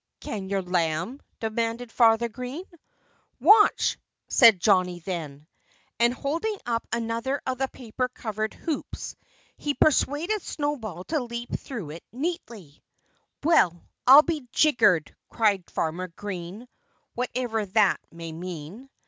"Can your lamb?" demanded Farmer Green. "Watch!" said Johnnie then. And, holding up another of the paper covered hoops, he persuaded Snowball to leap through it neatly. "Well, I'll be jiggered!" cried Farmer Green whatever that may mean.